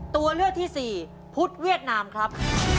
ตัวเลือกที่สี่พุทธเวียดนามครับ